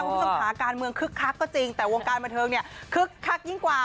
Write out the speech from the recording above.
คุณผู้ชมขาการเมืองคึกคักก็จริงแต่วงการบันเทิงเนี่ยคึกคักยิ่งกว่า